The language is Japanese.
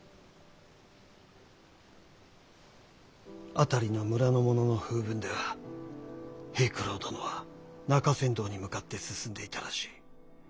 辺りの村の者の風聞では平九郎殿は中山道に向かって進んでいたらしい。